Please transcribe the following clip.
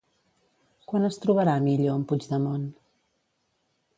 Quan es trobarà Millo amb Puigdemont?